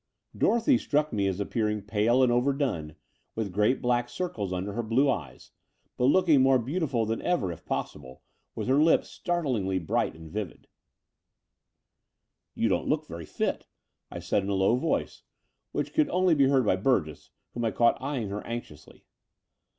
Dorothy struck me as appearing pale and over done, with great black circles tmder her blue eyes, but looking more beautiful than ever, if possible, with her lips startlingly bright and vivid. "You don't look very fit," I said in a low voice, which could only be heard by Burgess, whom I caught eyeing her anxiously.